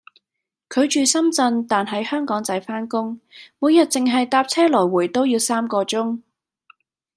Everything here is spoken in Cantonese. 佢住深圳但喺香港仔返工，每日淨係搭車來回都要三個鐘